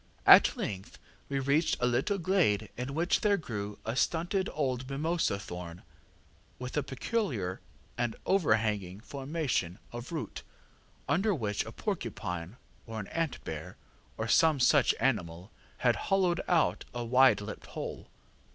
At length we reached a little glade in which there grew a stunted old mimosa thorn, with a peculiar and overhanging formation of root, under which a porcupine, or an ant bear, or some such animal, had hollowed out a wide lipped hole.